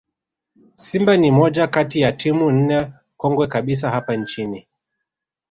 Simba ni moja kati ya timu nne kongwe kabisa hapa nchini